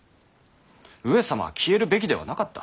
上様は消えるべきではなかった。